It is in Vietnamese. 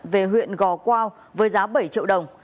về huyện gò quao với giá bảy triệu đồng